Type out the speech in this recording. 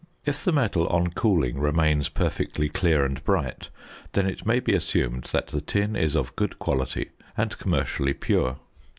If the metal on cooling remains perfectly clear and bright, then it may be assumed that the tin is of good quality and commercially pure.